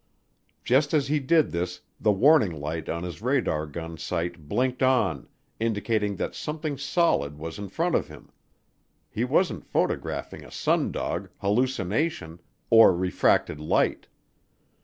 Just as he did this the warning light on his radar gun sight blinked on, indicating that something solid was in front of him he wasn't photographing a sundog, hallucination, or refracted light.